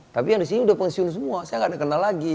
tapi yang di sini udah pensiun semua saya nggak kenal lagi